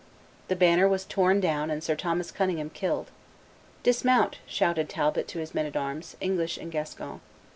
The banner was torn down and Sir Thomas Cunningham killed. "Dismount!" shouted Talbot to his men at arms, English and Gascon.